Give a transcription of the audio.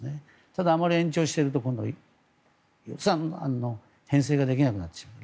ただ、あまり延長していると今度、予算の編成ができなくなってしまう。